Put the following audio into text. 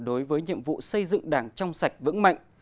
đối với nhiệm vụ xây dựng đảng trong sạch vững mạnh